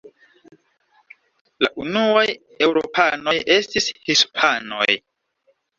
La unuaj eŭropanoj estis hispanoj.